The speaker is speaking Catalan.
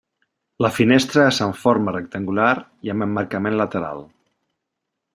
La finestra és en forma rectangular i amb emmarcament lateral.